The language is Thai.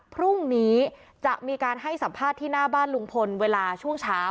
พรุ่งนี้จะมีการให้สัมภาษณ์ที่หน้าบ้านลุงพลเวลาช่วงเช้า